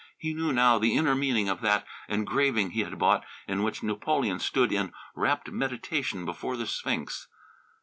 He knew now the inner meaning of that engraving he had bought, in which Napoleon stood in rapt meditation before the Sphinx.